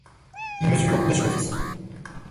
Il mesure de superficie.